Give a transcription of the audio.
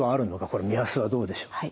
これ目安はどうでしょう。